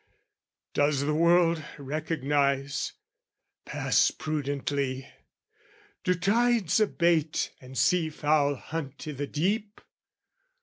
Does the world recognise, pass prudently? Do tides abate and sea fowl hunt i' the deep?